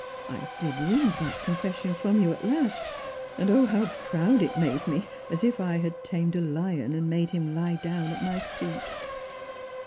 I did wring that confession from yon at last ; and O, how proud it made me, as if I had tamed a lion and made him lie down at my feet